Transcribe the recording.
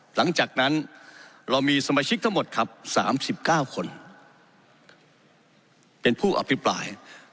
หลังจากนั้นเรามีสมาชิกทั้งหมดครับ๓๙คนเป็นผู้อภิปราย